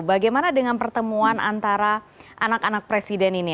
bagaimana dengan pertemuan antara anak anak presiden ini